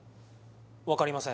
分かりません